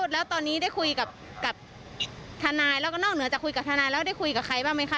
แล้วตอนนี้ได้คุยกับทนายแล้วก็นอกเหนือจากคุยกับทนายแล้วได้คุยกับใครบ้างไหมคะ